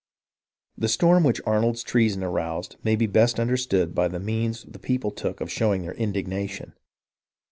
The storm which Arnold's treason aroused may be best understood by the means the people took of showing their indignation.